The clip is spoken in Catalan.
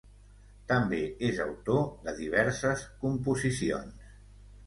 També és autor de diverses composicions.